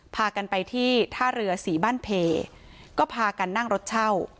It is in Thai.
พากันไปที่ท่าเรือศรีบ้านเพก็พากันนั่งรถเช่า